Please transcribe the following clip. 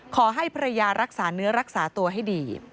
ขอให้ภรรยารักษาเนื้อรักษาตัวให้ดี